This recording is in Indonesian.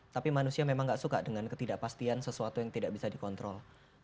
tapi manusia memang tidak suka dengan ketidakpastian sesuatu yang tidak bisa dikontrol